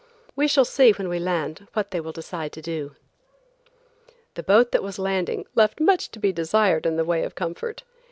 We shall see when we land what they will decide to do." The boat that was landing us left much to be desired in the way of comfort.